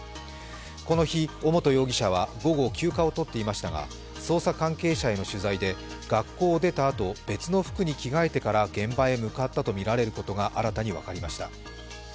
この日、尾本容疑者は午後休暇を取っていましたが、捜査関係者への取材で、学校を出たあと別の服に着替えてから現場に向かったとみられることが、新たに分かりました。